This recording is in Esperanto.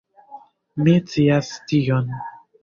Mi scias tion.